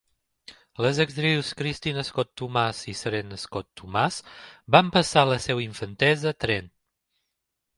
Les actrius Kristin Scott Thomas i Serena Scott Thomas van passar la seva infantesa a Trent.